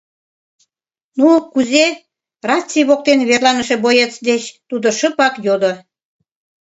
— Ну, кузе? — раций воктен верланыше боец деч тудо шыпак йодо.